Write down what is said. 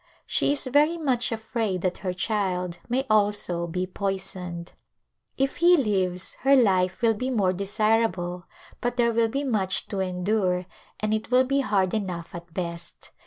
She is very much afraid that her child may also be poisoned. If he lives her life will be more desirable but there will be much to endure and it will be hard enough at best.